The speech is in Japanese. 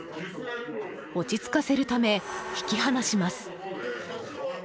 落ち着かせるため引き離します。